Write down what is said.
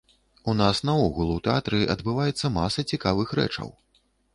У нас наогул у тэатры адбываецца маса цікавых рэчаў.